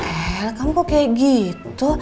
wah kamu kok kayak gitu